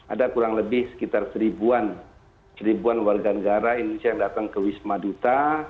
ada kurang lebih sekitar seribuan warga negara indonesia yang datang ke wisma duta